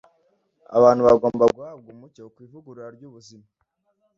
Abantu bagomba guhabwa umucyo ku ivugurura ry’ubuzima